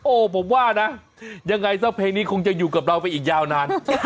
โอ้โหผมว่านะยังไงซะเพลงนี้คงจะอยู่กับเราไปอีกยาวนาน